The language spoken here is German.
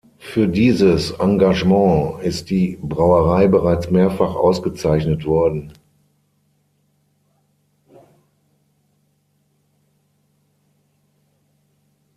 Für dieses Engagement ist die Brauerei bereits mehrfach ausgezeichnet worden.